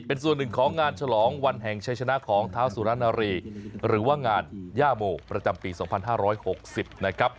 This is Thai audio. เป็นส่วนหนึ่งของงานฉลองวันแห่งชัยชนะของเท้าสุรนารีหรือว่างานย่าโมประจำปี๒๕๖๐นะครับ